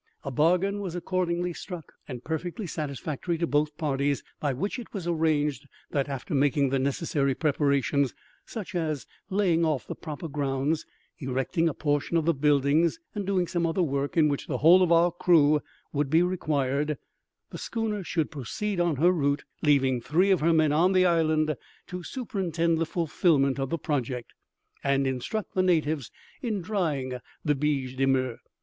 A bargain was accordingly struck, perfectly satisfactory to both parties, by which it was arranged that, after making the necessary preparations, such as laying off the proper grounds, erecting a portion of the buildings, and doing some other work in which the whole of our crew would be required, the schooner should proceed on her route, leaving three of her men on the island to superintend the fulfilment of the project, and instruct the natives in drying the biche de mer.